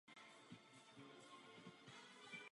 Existují dvě hlavní verze pokrmu.